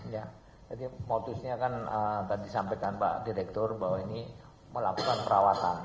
ya jadi modusnya kan tadi sampaikan pak direktur bahwa ini melakukan perawatan